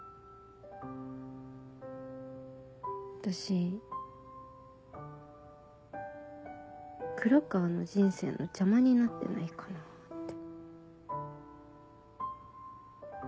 私黒川の人生の邪魔になってないかなって。